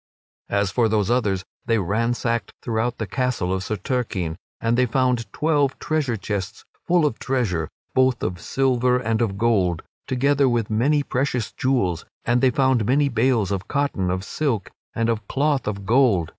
As for those others, they ransacked throughout the castle of Sir Turquine, and they found twelve treasure chests full of treasure, both of silver and of gold, together with many precious jewels; and they found many bales of cloth of silk and of cloth of gold.